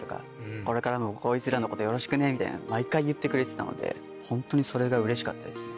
「これからもこいつらのことよろしくね」みたいな毎回言ってくれてたのでホントにそれが嬉しかったです。